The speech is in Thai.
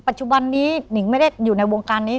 ปัจจุบันนี้หนิงไม่ได้อยู่ในวงการนี้